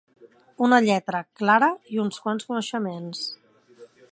Una lletra, clara, i uns quants coneixements